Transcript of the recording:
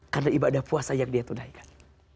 karena ibadah puasa yang dia tunahikan